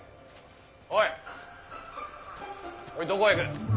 おいおいどこへ行く？